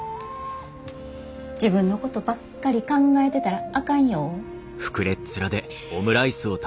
自分のことばっかり考えてたらあかんよ。